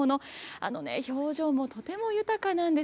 あのね、表情もとても豊かなんです。